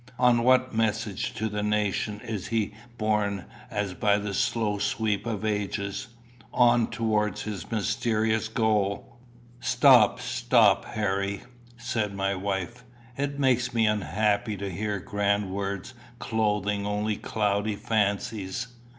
On what message to the nations is he borne as by the slow sweep of ages, on towards his mysterious goal?" "Stop, stop, Harry," said my wife. "It makes me unhappy to hear grand words clothing only cloudy fancies.